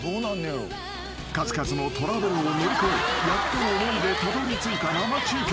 ［数々のトラブルを乗り越えやっとの思いでたどりついた生中継］